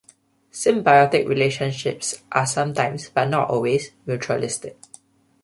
Symbiotic relationships are sometimes, but not always, mutualistic.